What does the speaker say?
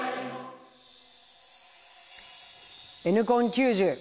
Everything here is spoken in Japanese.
「Ｎコン９０」。